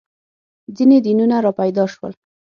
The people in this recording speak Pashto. • ځینې دینونه راپیدا شول.